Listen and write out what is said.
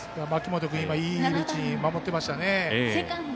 槇本君いい位置に守っていましたね。